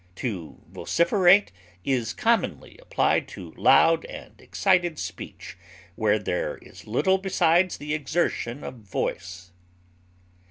To vociferate is commonly applied to loud and excited speech where there is little besides the exertion of voice.